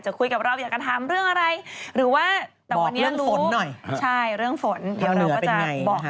ใช่เรื่องฝนเดี๋ยวเราก็จะบอกให้